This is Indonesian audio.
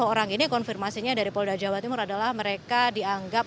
sepuluh orang ini konfirmasinya dari polda jawa timur adalah mereka dianggap